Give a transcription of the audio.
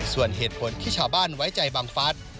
ส่วนเหตุผลที่ชาวบ้านไว้ใจบังฟัส